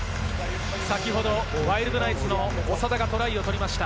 先ほどワイルドナイツの長田がトライを取りました。